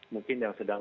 mungkin yang sedang